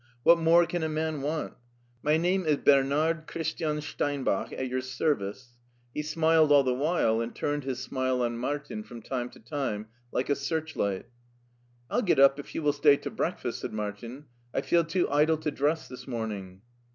What more can a man want? My name is Bernard Christian Steinbach, at your service." He smiled all the while, and turned his smile on Martin from time to time like a search light. "FU get up if you will stay to breakfast," said Martin. " I feel too idle to dress this morning."